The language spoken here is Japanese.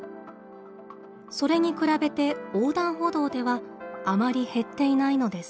それに比べて横断歩道ではあまり減っていないのです。